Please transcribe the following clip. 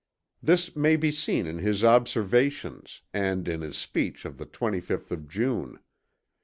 This may be seen in his Observations and in his speech of the 25th of June.